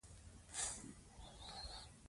هغه وویل، ناکامي برخه ده د پرمختګ.